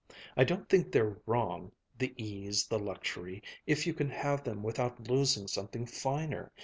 I don't think they're wrong, the ease, the luxury, if you can have them without losing something finer.